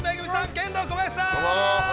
ケンドーコバヤシさん。